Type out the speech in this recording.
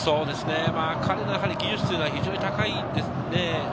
彼の技術というのは非常に高いですね。